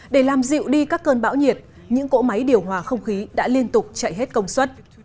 để làm dịu đi các cơn bão nhiệt những cỗ máy điều hòa không khí đã liên tục chạy hết công suất